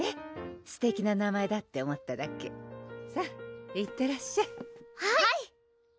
すてきな名前だって思っただけさっいってらっしゃいはい！